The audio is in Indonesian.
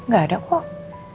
gak ada kok